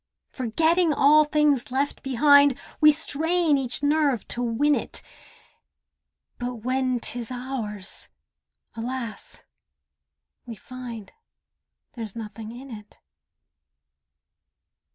Forgetting all things left behind, We strain each nerve to win it, But when 'tis ours—alas! we find There's nothing in it.